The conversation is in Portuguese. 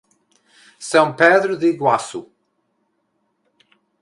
São Pedro do Iguaçu